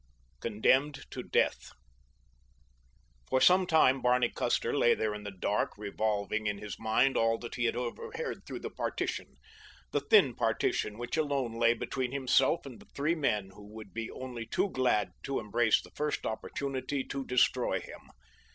CONDEMNED TO DEATH For some time Barney Custer lay there in the dark revolving in his mind all that he had overheard through the partition—the thin partition which alone lay between himself and three men who would be only too glad to embrace the first opportunity to destroy him.